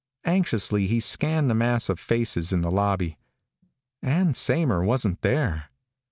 Anxiously he scanned the mass of faces in the lobby. Ann Saymer wasn't there.